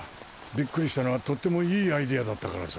ビックリしたのはとってもいいアイデアだったからさ。